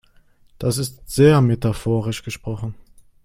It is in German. Das ist sehr metaphorisch gesprochen.